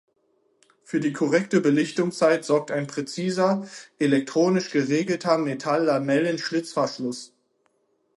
Für die korrekte Belichtungszeit sorgt ein präziser, elektronisch geregelter Metalllamellen-Schlitzverschluss.